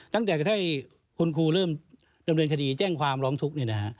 ตั้งแต่ให้คุณครูเริ่มดำเนินคดีแจ้งความร้องทุกข์